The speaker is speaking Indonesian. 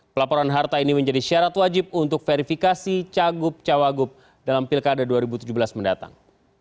pelaporan harta ini menjadi syarat wajib untuk verifikasi cagup cawagup dalam pilkada dua ribu tujuh belas mendatang